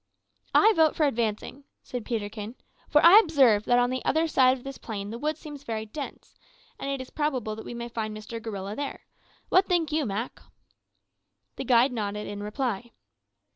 "I vote for advancing," said Peterkin, "for I observe that on the other side of this plain the wood seems very dense, and it is probable that we may find Mister Gorilla there. What think you, Mak?" The guide nodded in reply.